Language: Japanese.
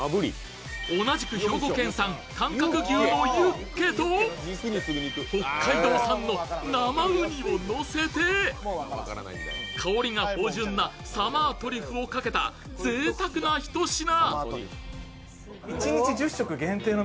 同じく兵庫県産短角牛のユッケと北海道産の生うにをのせて、香りが芳じゅんなサマートリュフをかけたぜいたくなひと品。